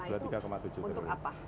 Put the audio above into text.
nah itu untuk apa